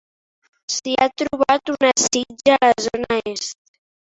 S’hi ha trobat una sitja a la zona est.